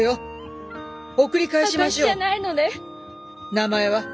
名前は？